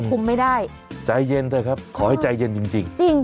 คุ้มไม่ได้ใจเย็นด้วยครับขอให้ใจเย็นจริงจริงจริง